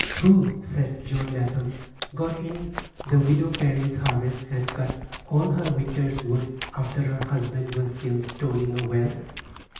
"Who," said John Lapham, "got in the widow Perry's harvest, and cut all her winter's wood, after her husband was killed stoning a well?"